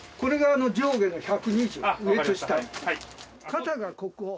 肩がここ。